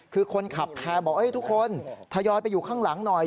คือคนขับแพร่บอกทุกคนทยอยไปอยู่ข้างหลังหน่อย